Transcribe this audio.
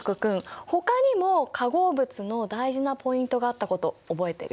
ほかにも化合物の大事なポイントがあったこと覚えてる？